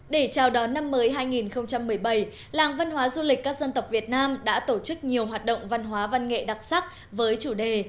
để chào đón năm mới hai nghìn một mươi bảy làng văn hóa du lịch các dân tộc việt nam đã tổ chức nhiều hoạt động văn hóa văn nghệ đặc sắc với chủ đề